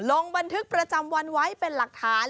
ลงบันทึกประจำวันไว้เป็นหลักฐาน